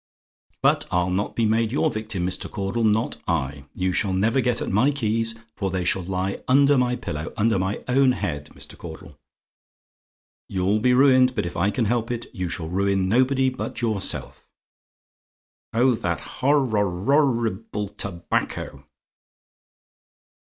"But I'll not be made your victim, Mr. Caudle, not I. You shall never get at my keys, for they shall lie under my pillow under my own head, Mr. Caudle. "You'll be ruined, but if I can help it, you shall ruin nobody but yourself. "Oh, that hor hor hor i ble tob ac co!"